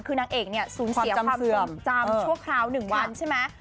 คือนางเอกเนี่ยสูญเสียความทรงจำชั่วคราว๑วันใช่ไหม